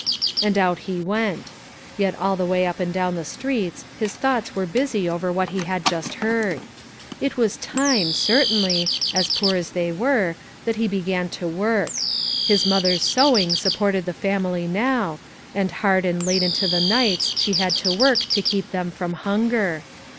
And out he went; yet all the way up and down the streets his thoughts were busy over what he had just heard. It was time, certainly, as poor as they were, that he began to work; his mother's sewing supported the family now, and hard and late into the nights she had to work to keep them from hunger.